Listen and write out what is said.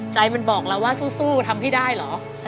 ใจมันบอกเราว่าสู้สู้ก็ทำที่ได้เหรอ